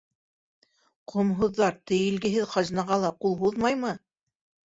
Ҡомһоҙҙар тейелгеһеҙ хазинаға ла ҡул һуҙмаймы?